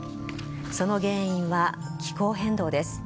その原因は気候変動です。